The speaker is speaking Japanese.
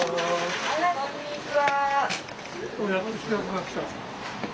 あらこんにちは。